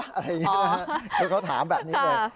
อะไรอย่างนี้เขาถามแบบนี้เลย